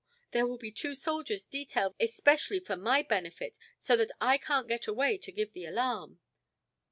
There will be two soldiers detailed especially for my benefit, so that I can't get away to give the alarm."